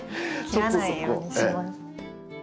切らないようにします。